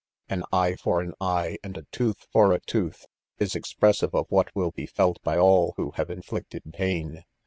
"An eye for an eye and a tooth for a tooth," is expressive of what will he felt by aE who have inflicted pain.